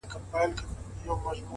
مخامخ وتراشل سوي بت ته ناست دی-